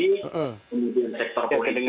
kemudian sektor politik